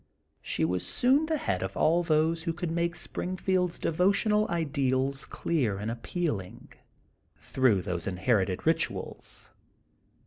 She was soon the head of all those who conld make Springfield's de votional ideals clear and appealing, through those inherited rituals.